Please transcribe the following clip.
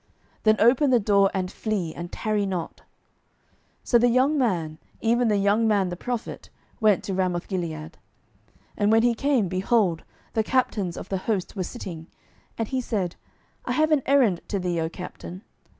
Then open the door, and flee, and tarry not. 12:009:004 So the young man, even the young man the prophet, went to Ramothgilead. 12:009:005 And when he came, behold, the captains of the host were sitting; and he said, I have an errand to thee, O captain.